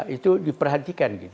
itu diperhatikan gitu